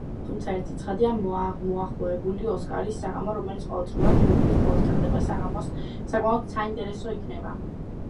თუმცა ერთი ცხადია, მოახლოებული ოსკარის საღამო, რომელიც ყოველწიურად თებერვლის ბოლოს ტარდება, საკმაოდ საინტერესო იქნება.